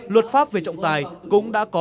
luật pháp về trọng tài cũng đã có